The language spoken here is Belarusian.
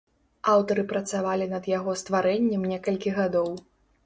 Аўтары працавалі над яго стварэннем некалькі гадоў.